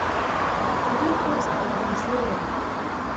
دوی پوځ او وسلې لري.